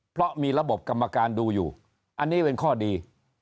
เพราะมีระบบกรรมการดูอยู่อันนี้เป็นข้อดี